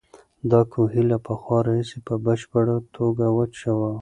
دا کوهی له پخوا راهیسې په بشپړه توګه وچ و.